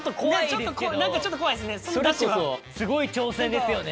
何かちょっと怖いですね。